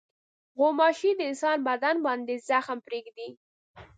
غوماشې د انسان بدن باندې زخم پرېږدي.